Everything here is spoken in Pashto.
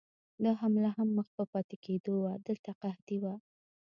دا حمله هم مخ په پاتې کېدو وه، دلته قحطي وه.